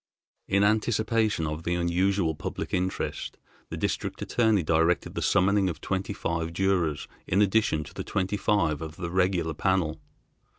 In anticipation of the unusual public interest the District Attorney directed the summoning of twenty five jurors in addition to the twenty five of the regular panel.